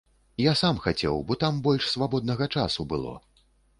Я сам хацеў, бо там больш свабоднага часу было.